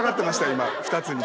今２つに。